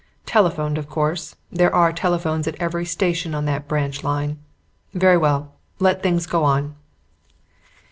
Telephoned, of course: there are telephones at every station on that branch line. Very well, let things go on."